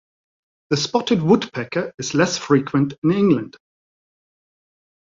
The spotted woodpecker is less frequent in England.